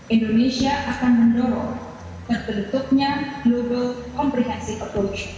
indonesia akan mendorong tertentu global comprehensive approach